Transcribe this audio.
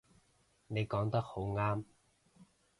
你講得好啱